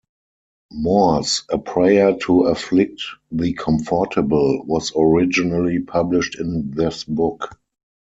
Moore's "A Prayer to Afflict the Comfortable" was originally published in this book.